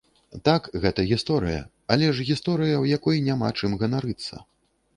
Так, гэта гісторыя, але ж гісторыя, у якой няма чым ганарыцца.